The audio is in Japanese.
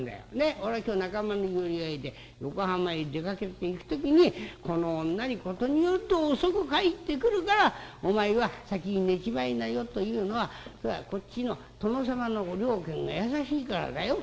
俺は今日仲間の寄り合いで横浜へ出かけていく時にこの女に『事によると遅く帰ってくるからお前は先に寝ちまいなよ』というのはそれはこっちの殿様のご了見が優しいからだよ。